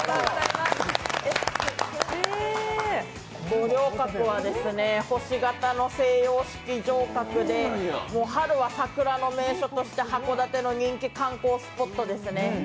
五稜郭は星形の西洋式城郭で春は桜の名所として函館の人気観光スポットですね。